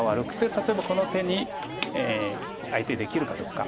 例えばこの手に相手できるかどうか。